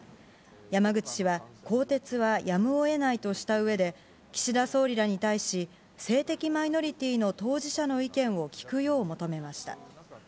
山口氏は、更迭はやむをえないとしたうえで、岸田総理らに対し、性的マイノリティーの当事者の意見を聞くよう求めました。